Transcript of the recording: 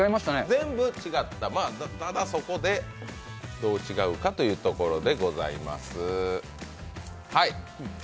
全部違った、ただそこでどう違うかというところでございます。